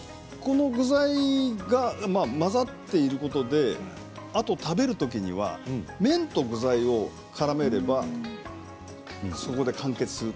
具材が混ざっていることで食べるときには、麺と具材をからめればそこで完結する。